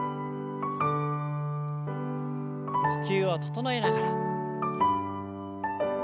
呼吸を整えながら。